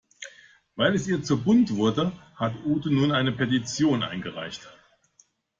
Weil es ihr zu bunt wurde, hat Ute nun eine Petition eingereicht.